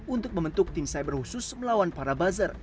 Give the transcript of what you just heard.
untuk membentuk tim cyber khusus melawan para buzzer